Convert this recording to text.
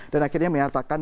dan akhirnya menyatakan